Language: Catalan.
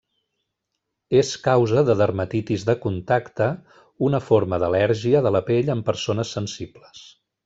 És causa de dermatitis de contacte, una forma d'al·lèrgia de la pell, en persones sensibles.